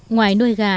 ngoài nuôi gà